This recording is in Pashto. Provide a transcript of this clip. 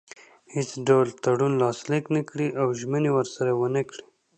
هیڅ ډول تړون لاسلیک نه کړي او ژمنې ورسره ونه کړي.